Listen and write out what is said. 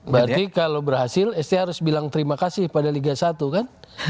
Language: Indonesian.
berarti kalau berhasil st harus bilang terima kasih pada liga satu kan